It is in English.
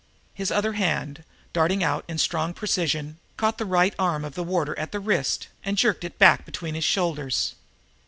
His other hand, darting out in strong precision, caught the right arm of the warder at the wrist and jerked it back between his shoulders.